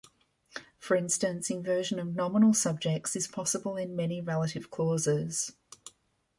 For instance, inversion of nominal subjects is possible in many relative clauses.